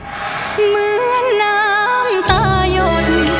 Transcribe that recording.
เหมือนน้ำตายน